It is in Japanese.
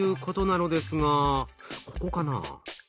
ここかな？